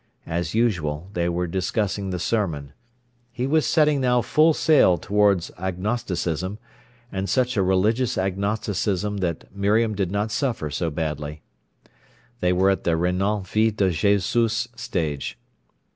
As usual, they were discussing the sermon. He was setting now full sail towards Agnosticism, but such a religious Agnosticism that Miriam did not suffer so badly. They were at the Renan Vie de Jésus stage.